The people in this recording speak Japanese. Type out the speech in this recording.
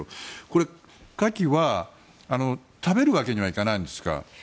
これ、カキは食べるわけにはいかないんですか。